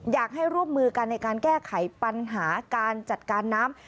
อยากให้ร่วมมือกันในการแก้ไขปัญหาการจัดการน้ำ